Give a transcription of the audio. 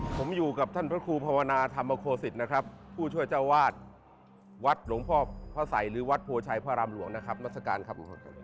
ผมอยู่กับท่านพระครูภาวนาธรรมโคศิษฐ์นะครับผู้ช่วยเจ้าวาดวัดหลวงพ่อพระสัยหรือวัดโพชัยพระรามหลวงนะครับมัศกาลครับ